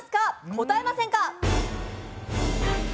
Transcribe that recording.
応えませんか？